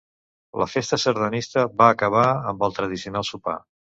La festa sardanista va acabar amb el tradicional sopar.